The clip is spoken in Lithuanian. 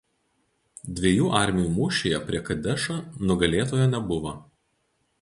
Dviejų armijų mūšyje prie Kadešo nugalėtojo nebuvo.